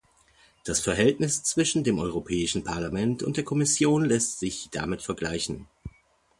Das Verhältnis zwischen dem Europäischen Parlament und der Kommission lässt sich damit vergleichen.